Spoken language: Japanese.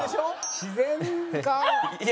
自然か？